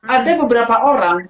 ada beberapa orang